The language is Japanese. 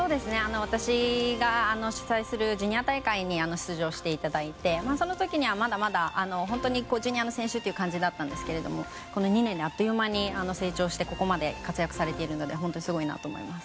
私が主催するジュニア大会に出場していただいてその時にはまだまだ本当にジュニアの選手という感じだったんですけどこの２年であっという間に成長してここまで活躍されてるので本当にすごいなと思っています。